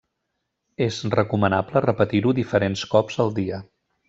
És recomanable repetir-ho diferents cops al dia.